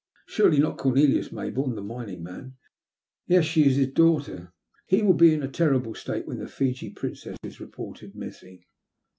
''Surely not Cornelius Maybourne, the mining man ?"" Yes, she is his daughter. He will be in a terrible state when the Fiji Princess is reported missing."